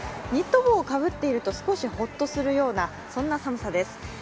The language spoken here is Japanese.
ニット帽をかぶっていると少しほっとするような、そんな寒さです。